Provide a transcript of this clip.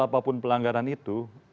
apapun pelanggaran itu